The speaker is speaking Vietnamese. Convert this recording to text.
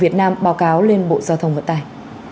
việt nam báo cáo lên bộ giao thông vận tải